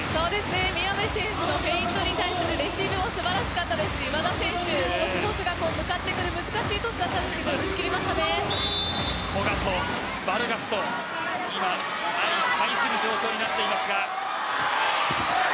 宮部選手のフェイントに対するレシーブも素晴らしかったですし和田選手、難しいトスでしたが古賀とバルガスと今相対する状況になっていますが。